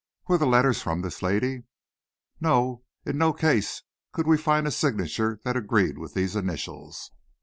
"Were the letters from this lady?" "No; in no case could we find a signature that agreed with these initials."